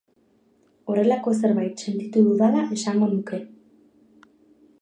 Horrelako zerbait sentitu dudala esango nuke.